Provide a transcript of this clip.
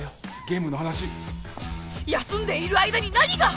ゲームの話休んでいる間に何が？